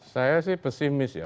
saya sih pesimis ya